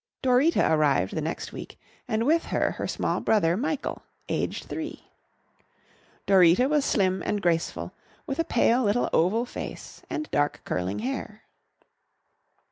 Dorita arrived the next week, and with her her small brother, Michael, aged three. Dorita was slim and graceful, with a pale little oval face and dark curling hair.